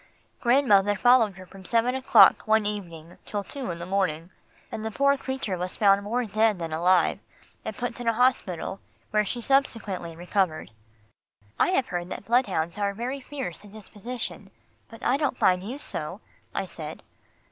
Grandmother followed her from seven o'clock one evening till two the next morning, and the poor creature was found more dead than alive, and put in a hospital where she subsequently recovered." "I have heard that bloodhounds are very fierce in disposition, but I don't find you so," I said.